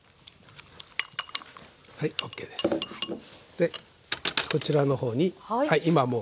でこちらの方に今もう。